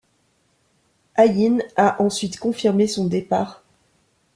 Haein a ensuite confirmé son départ.